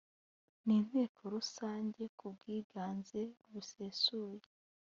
n inteko rusange ku bw iganze busesuye